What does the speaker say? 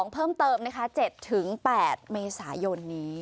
เพิ่มเติมนะคะ๗๘เมษายนนี้